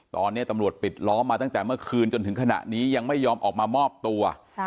ตอนนี้ตำรวจปิดล้อมมาตั้งแต่เมื่อคืนจนถึงขณะนี้ยังไม่ยอมออกมามอบตัว